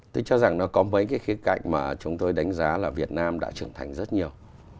tôi cho rằng nó có mấy cái khía cạnh mà chúng tôi đánh giá là việt nam đã trưởng thành rất nhiều